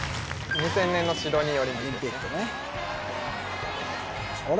２０００年のシドニーオリンピックオリンピックねあら